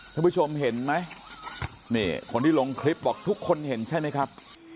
ท่านผู้ชมเห็นไหมนี่คนที่ลงคลิปบอกทุกคนเห็นใช่ไหมครับ